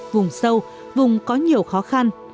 vùng sâu vùng có nhiều khó khăn